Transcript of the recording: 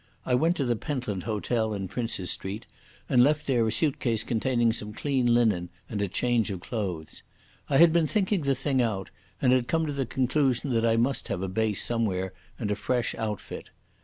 I went to the Pentland Hotel in Princes Street and left there a suit case containing some clean linen and a change of clothes. I had been thinking the thing out, and had come to the conclusion that I must have a base somewhere and a fresh outfit.